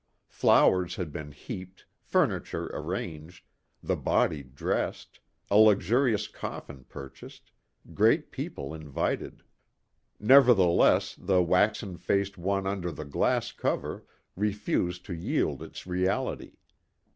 Flowers had been heaped, furniture arranged, the body dressed, a luxurious coffin purchased, great people invited. Nevertheless the waxen faced one under the glass cover refused to yield its reality.